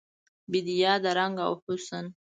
بیدیا د رنګ او حسن